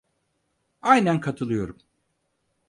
Aynen katılıyorum.